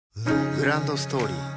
グランドストーリー